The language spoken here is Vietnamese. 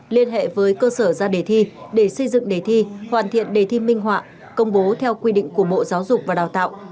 liên hệ với cơ sở ra đề thi để xây dựng đề thi hoàn thiện đề thi minh họa công bố theo quy định của bộ giáo dục và đào tạo